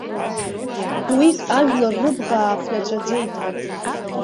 Уик ажәлар рыбӷа ааԥнаҵәаӡеит.